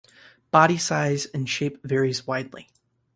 Body size and shape varies widely.